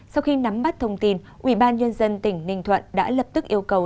sau khi nắm bắt thông tin ubnd tỉnh ninh thuận đã lập tức yêu cầu